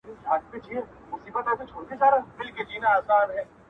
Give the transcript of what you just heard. ما هم درلوده ځواني رنګینه -